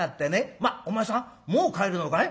『まっお前さんもう帰るのかい？